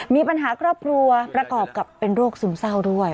มีปัญหาครอบครัวประกอบกับเป็นโรคซึมเศร้าด้วย